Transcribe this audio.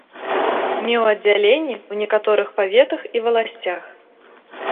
Меў аддзяленні ў некаторых паветах і валасцях.